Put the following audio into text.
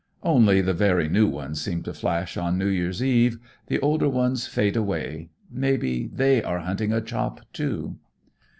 "Only the very new ones seem to flash on New Year's eve. The older ones fade away. Maybe they are hunting a chop, too."